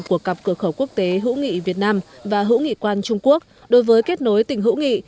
của cặp cửa khẩu quốc tế hữu nghị việt nam và hữu nghị quan trung quốc đối với kết nối tỉnh hữu nghị